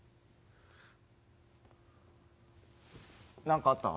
何かあった？